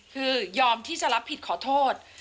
คือยอมที่จะรับผิดขอโทษ